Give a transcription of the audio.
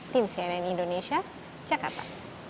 tim cnn indonesia jakarta